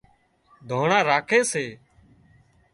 ۮانڻا راکي سي